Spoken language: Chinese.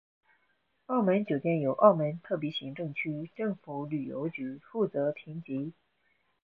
澳门酒店由澳门特别行政区政府旅游局负责评级。